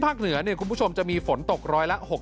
เหนือคุณผู้ชมจะมีฝนตกร้อยละ๖๐